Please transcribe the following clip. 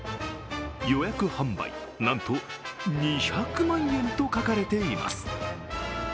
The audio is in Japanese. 予約販売、なんと２００万円と書かれています。